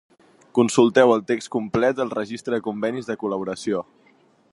Consulteu el text complet al Registre de convenis de col·laboració.